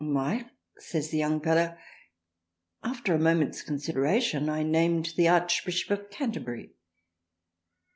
Why says the young fellow after a moments con sideration I named the Archbishop of Canterbury.